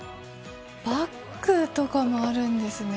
バッグとかもあるんですね。